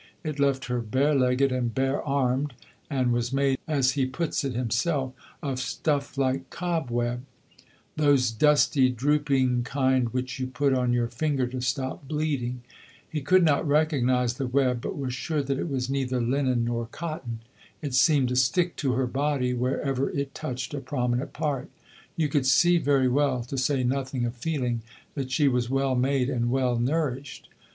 It left her bare legged and bare armed, and was made, as he puts it himself, of stuff like cobweb: "those dusty, drooping kind which you put on your finger to stop bleeding." He could not recognise the web, but was sure that it was neither linen nor cotton. It seemed to stick to her body wherever it touched a prominent part: "you could see very well, to say nothing of feeling, that she was well made and well nourished."